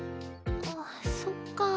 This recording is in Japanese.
あっそっか。